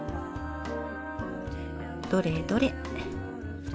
どれどれ。